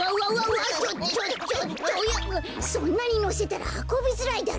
そんなにのせたらはこびづらいだろ！